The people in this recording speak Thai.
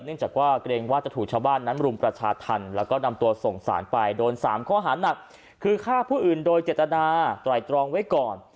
จากว่าเกรงว่าจะถูกชาวบ้านนั้นรุมประชาธรรมแล้วก็นำตัวส่งสารไปโดน๓ข้อหานักคือฆ่าผู้อื่นโดยเจตนาไตรตรองไว้ก่อน